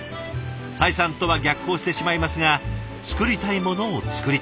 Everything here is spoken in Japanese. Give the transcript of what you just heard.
採算とは逆行してしまいますが作りたいものを作りたい。